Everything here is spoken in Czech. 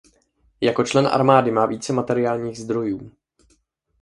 Jako člen armády má více materiálních zdrojů.